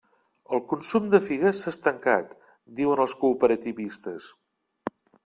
El consum de figues s'ha estancat, diuen els cooperativistes.